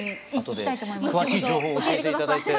詳しい情報を教えて頂いて。